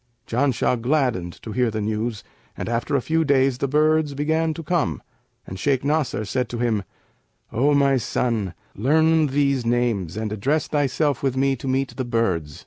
Janshah gladdened to hear the news; and after a few days the birds began to come and Shaykh Nasr said to him, 'O my son, learn these names[FN#560] and address thyself with me to meet the birds.'